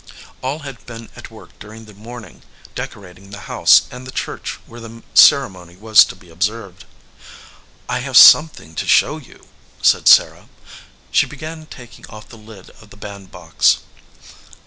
All had been at work during the morning decorating the house and the church where the ceremony was to be observed. "I have something to show you," said Sarah. She began taking off the lid of the bandbox.